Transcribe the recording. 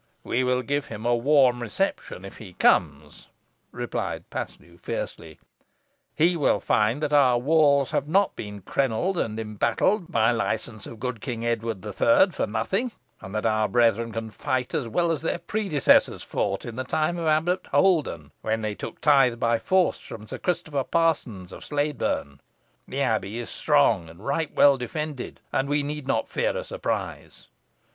"We will give him a warm reception if he comes," replied Paslew, fiercely. "He will find that our walls have not been kernelled and embattled by licence of good King Edward the Third for nothing; and that our brethren can fight as well as their predecessors fought in the time of Abbot Holden, when they took tithe by force from Sir Christopher Parsons of Slaydburn. The abbey is strong, and right well defended, and we need not fear a surprise.